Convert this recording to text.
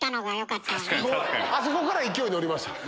あそこから勢いに乗りました。